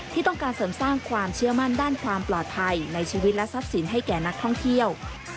ที่ต้องการเสริมสร้างความเชื่อมั่นด้านความปลอดภัยในชีวิตและทรัพย์สินให้แก่นักท่องเที่ยว